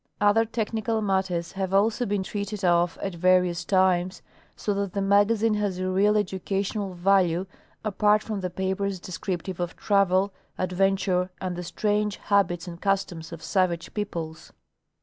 Other technical matters have also been treated of at various times, so that the magazine has a real educational value apart from the papers descriptive of travel, adventure and the strange habits and customs of savage peoples.